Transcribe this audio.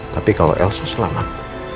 tapi kalau elsa selamat